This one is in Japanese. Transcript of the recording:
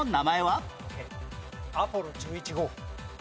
アポロ１１号。